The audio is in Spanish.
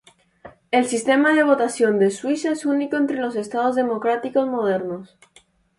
El sistema de votación de Suiza es único entre los Estados democráticos modernos.